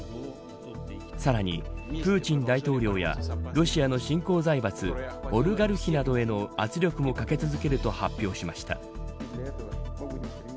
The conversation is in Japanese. さらに、プーチン大統領やロシアの新興財閥オリガルヒなどへの圧力もかけ続けると発表しました。